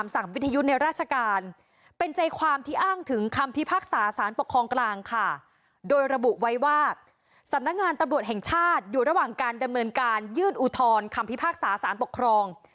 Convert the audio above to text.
สนักงานตำรวจแห่งชาติอยู่ระหว่างการดำเนินการยื่นอุทอนความภิพาตสาห์สารปกครอง